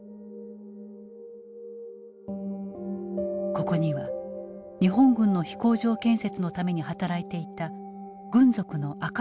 ここには日本軍の飛行場建設のために働いていた軍属の赤羽恒男がいた。